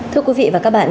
thưa quý vị và các bạn